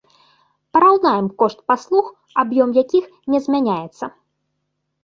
Параўнаем кошт паслуг, аб'ём якіх не змяняецца.